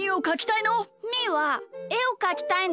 みーはえをかきたいんだ！